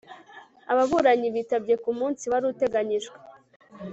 Ababuranyi bitabye ku munsi wari uteganyijwe